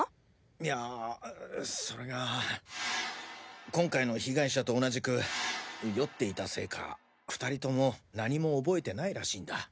いやそれが今回の被害者と同じく酔っていたせいか２人とも何も覚えてないらしいんだ。